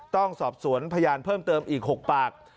ต้องสอบสวนพยานเพิ่มเติมอีก๖ปาก